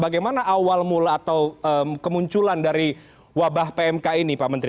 bagaimana awal mula atau kemunculan dari wabah pmk ini pak menteri